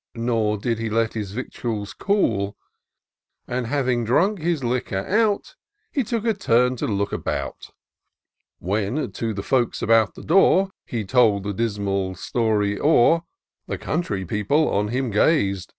Nor did he let his victuals cool ; And, having drunk his liquor out. He took a turn to look about. When to the folks about the door, He told the dismal story o'er, The country people on him gaz'd.